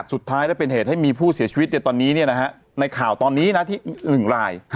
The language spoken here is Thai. สุดท้ายแล้วเป็นเหตุให้มีผู้เสียชีวิตตอนนี้ในข่าวตอนนี้นะที่๑ราย